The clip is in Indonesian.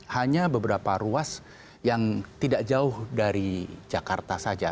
hanya beberapa ruas yang tidak jauh dari jakarta saja